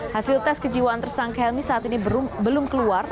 hasil tes kejiwaan tersangka helmi saat ini belum keluar